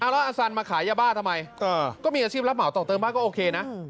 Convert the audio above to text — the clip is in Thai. แล้วอสันมาขายยาบ้าทำไมก็มีอาชีพรับเหมาต่อเติมบ้านก็โอเคนะ